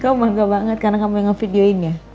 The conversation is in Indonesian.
kamu bangga banget karena kamu yang ngevideoinnya